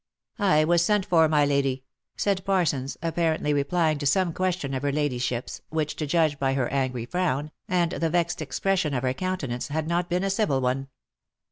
" I was sent for, my lady," said Parsons, apparently replying to some question of her ladyship's, which, to judge by her angry frown, and the vexed expression of her countenance, had not been a civil one.